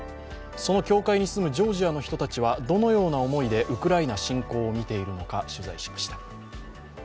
その境界に住むジョージアの人たちはどのような思いでウクライナ侵攻を見ているのか、取材しました。